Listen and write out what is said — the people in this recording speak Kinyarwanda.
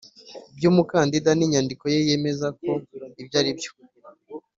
by umukandida n inyandiko ye yemeza ko ibyo ari byo